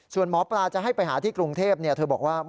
ส่วนหมอปลาจะให้ไปหาที่กรุงเทพเธอบอกว่า